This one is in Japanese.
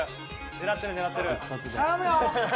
狙ってる狙ってる頼むよ！